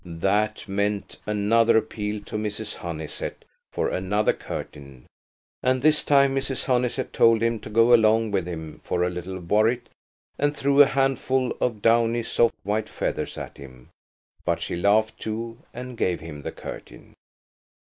That meant another appeal to Mrs. Honeysett for another curtain, and this time Mrs. Honeysett told him to go along with him for a little worrit, and threw a handful of downy soft white feathers at him. But she laughed, too, and gave him the curtain.